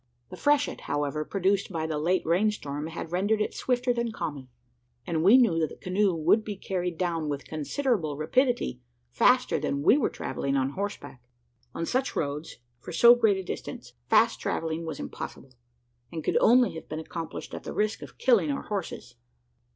The freshet, however, produced by the late rain storm, had rendered it swifter than common; and we knew that the canoe would be carried down with considerable rapidity faster than we were travelling on horseback. On such roads, for so great a distance, fast travelling was impossible; and could only have been accomplished at the risk of killing our horses.